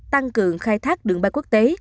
tăng cường khai thác đường bay quốc tế